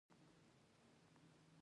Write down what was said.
د زړو موافقو څخه سرغړونه شوې ده.